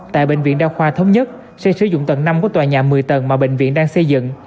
tại bệnh viện đa khoa thống nhất sẽ sử dụng tầng năm của tòa nhà một mươi tầng mà bệnh viện đang xây dựng